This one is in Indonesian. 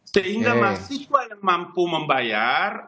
sehingga mahasiswa yang mampu membayar